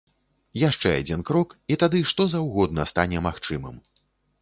Яшчэ адзін крок, і тады што заўгодна стане магчымым.